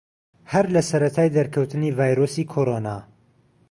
هەر لە سەرەتای دەرکەوتنی ڤایرۆسی کۆرۆنا